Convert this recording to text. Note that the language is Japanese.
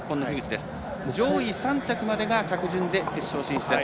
上位３着までが着順で決勝進出です。